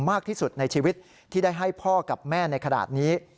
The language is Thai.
มากที่สุดในชีวิตที่ได้ให้พ่อกับแม่ในขณะนี้